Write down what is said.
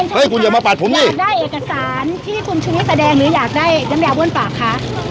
เดี๋ยวก่อนนะคะยกได้เอกสารที่คุณชื่นให้แสดงหรืออยากได้น้ำยาอุ้นปากคะ